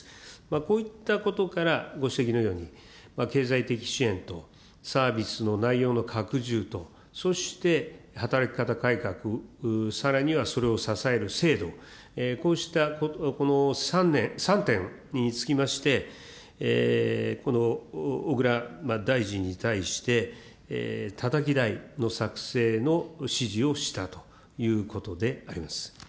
こういったことからご指摘のように、経済的支援とサービスの内容の拡充と、そして働き方改革、さらにはそれを支える制度、こうしたこの３点につきまして、小倉大臣に対して、たたき台の作成の指示をしたということであります。